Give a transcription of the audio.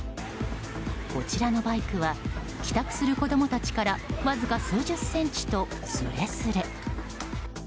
こちらのバイクは帰宅する子供たちからわずか数十センチとすれすれ。